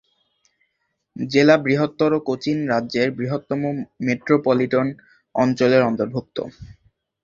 জেলা বৃহত্তর কোচিন রাজ্যের বৃহত্তম মেট্রোপলিটন অঞ্চলের অন্তর্ভুক্ত।